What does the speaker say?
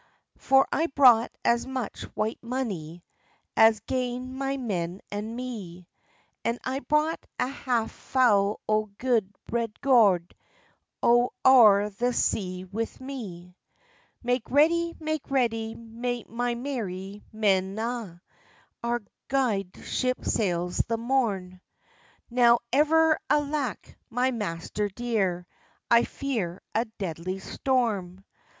"For I brought as much white monie As gane my men and me, And I brought a half fou' o' gude red goud, Out o'er the sea wi' me. "Make ready, make ready, my merry men a'! Our gude ship sails the morn." "Now ever alake, my master dear, I fear a deadly storm!